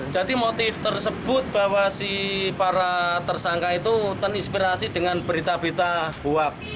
jadi motif tersebut bahwa si para tersangka itu ten inspirasi dengan berita berita buak